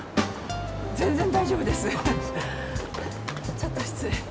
ちょっと失礼。